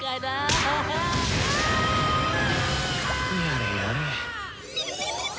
やれやれ。